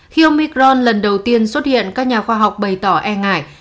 khi omicron lần đầu tiên xuất hiện các nhà khoa học bày tỏ e ngại